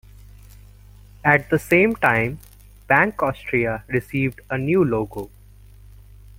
At the same time, Bank Austria received a new logo.